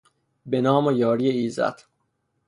به نام و یاری ایزد